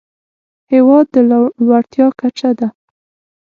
هېواد د لوړتيا کچه ده.